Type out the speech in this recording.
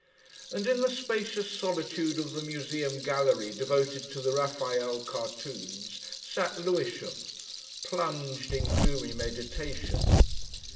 And in the spacious solitude of the museum gallery devoted to the Raphael cartoons sat Lewisham, plunged in gloomy meditation.